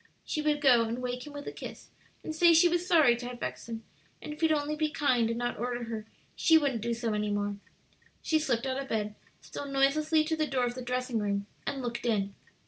She would go and wake him with a kiss, and say she was sorry to have vexed him, and if he'd only be kind and not order her, she wouldn't do so any more. She slipped out of bed, stole noiselessly to the door of the dressing room, and looked in.